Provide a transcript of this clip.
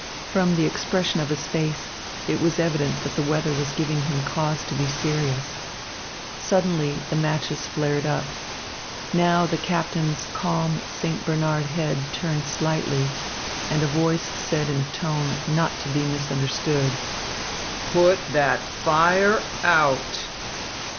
From the expression of his face it was evident that the weather was giving him cause to be serious. Suddenly the matches flared up. Now the captain's calm St. Bernard head turned slightly, and a voice said in a tone not to be misunderstood: "Put that fire out!"